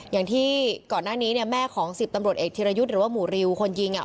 อย่างที่ก่อนหน้านี้เนี่ยแม่ของ๑๐ตำรวจเอกธิรยุทธ์หรือว่าหมู่ริวคนยิงอ่ะ